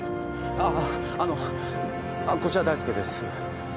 あああのこちら大介です。